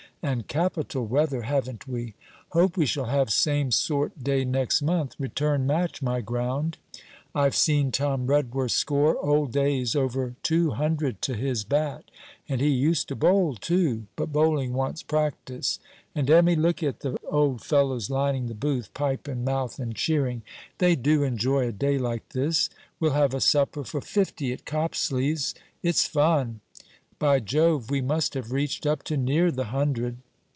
And capital weather, haven't we: Hope we shall have same sort day next month return match, my ground. I've seen Tom Redworth score old days over two hundred t' his bat. And he used to bowl too. But bowling wants practice. And, Emmy, look at the old fellows lining the booth, pipe in mouth and cheering. They do enjoy a day like this. We'll have a supper for fifty at Copsley's: it's fun. By Jove! we must have reached up to near the hundred.'